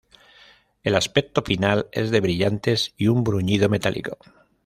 El aspecto final es de brillantes y un bruñido metálico.